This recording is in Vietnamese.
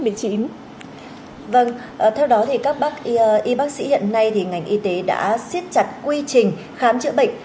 vâng theo đó thì các bác y bác sĩ hiện nay thì ngành y tế đã siết chặt quy trình khám chữa bệnh